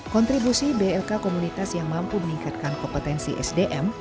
kontribusi blk komunitas yang mampu meningkatkan kompetensi sdm